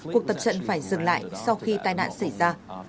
cuộc tập trận phải dừng lại sau khi tai nạn xảy ra